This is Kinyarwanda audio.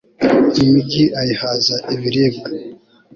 imigi ayihaza ibiribwa